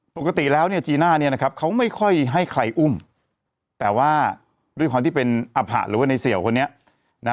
ปกติแล้วเนี่ยจีน่าเนี่ยนะครับเขาไม่ค่อยให้ใครอุ้มแต่ว่าด้วยความที่เป็นอภะหรือว่าในเสี่ยวคนนี้นะ